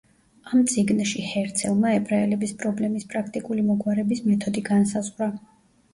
ამ წიგნში ჰერცელმა ებრაელების პრობლემის პრაქტიკული მოგვარების მეთოდი განსაზღვრა.